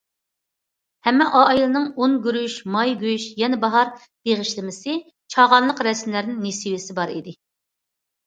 ھەممە ئائىلىنىڭ ئۇن، گۈرۈچ، ماي، گۆش يەنە باھار بېغىشلىمىسى، چاغانلىق رەسىملەردىن نېسىۋىسى بار ئىدى.